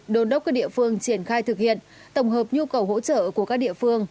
đồn đốc các địa phương triển khai thực hiện tổng hợp nhu cầu hỗ trợ của các địa phương